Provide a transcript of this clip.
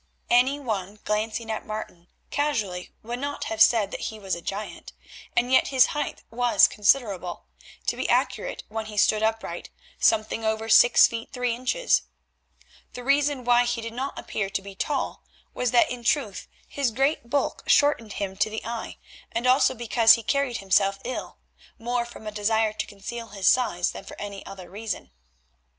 Any one glancing at Martin casually would not have said that he was a giant, and yet his height was considerable; to be accurate, when he stood upright, something over six feet three inches. The reason why he did not appear to be tall was that in truth his great bulk shortened him to the eye, and also because he carried himself ill, more from a desire to conceal his size than for any other reason.